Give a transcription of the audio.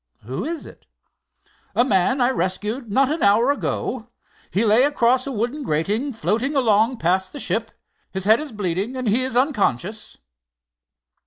"Who is it?" "A man I rescued not an hour ago. He lay across a wooden grating, floating along past the ship. His head is bleeding, and he is unconscious."